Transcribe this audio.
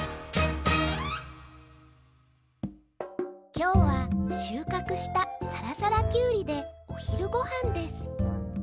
きょうはしゅうかくしたさらさらキュウリでおひるごはんです